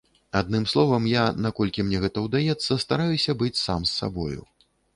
Адным словам, я, наколькі мне гэта ўдаецца, стараюся быць сам з сабою.